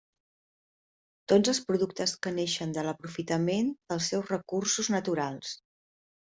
Tots els productes que naixen de l'aprofitament dels seus recursos naturals.